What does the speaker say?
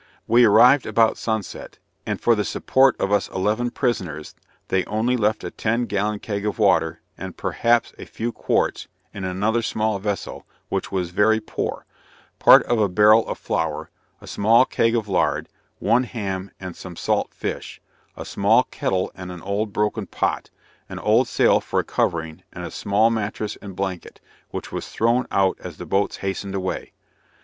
We arrived about sunset; and for the support of us eleven prisoners, they only left a ten gallon keg of water, and perhaps a few quarts, in another small vessel, which was very poor; part of a barrel of flour, a small keg of lard, one ham and some salt fish; a small kettle and an old broken pot; an old sail for a covering, and a small mattress and blanket, which was thrown out as the boats hastened away.